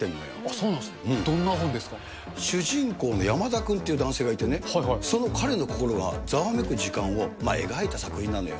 そうなんですか、どんな本で主人公の山田君っていう男性がいてね、その彼の心がざわめく時間を描いた作品なのよ。